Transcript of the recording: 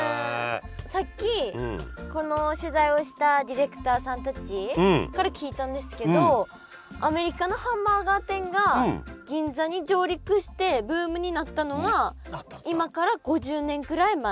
さっきこの取材をしたディレクターさんたちから聞いたんですけどアメリカのハンバーガー店が銀座に上陸してブームになったのは今から５０年ぐらい前。